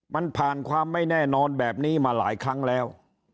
มันผ่านความไม่แน่นอนแบบนี้มาหลายครั้งแล้ว